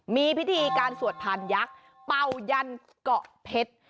มีพิธีการสวดพานยักษ์เป่ายันเกาะเพชร